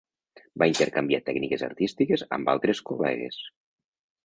Va intercanviar tècniques artístiques amb altres col·legues.